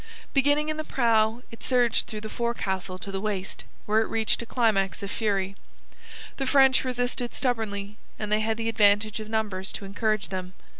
Beginning in the prow, it surged through the forecastle to the waist, where it reached a climax of fury. The French resisted stubbornly, and they had the advantage of numbers to encourage them.